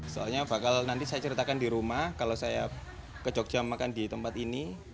soalnya bakal nanti saya ceritakan di rumah kalau saya ke jogja makan di tempat ini